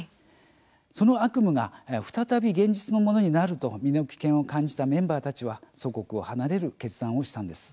その悪夢が再び現実のものになると身の危険を感じたメンバーたちは祖国を離れる決断をしたんです。